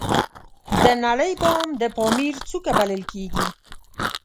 د نړۍ بام د پامیر څوکه بلل کیږي